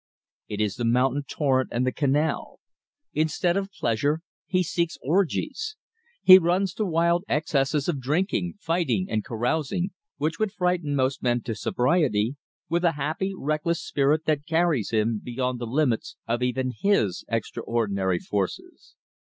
It is the mountain torrent and the canal. Instead of pleasure, he seeks orgies. He runs to wild excesses of drinking, fighting, and carousing which would frighten most men to sobriety with a happy, reckless spirit that carries him beyond the limits of even his extraordinary forces.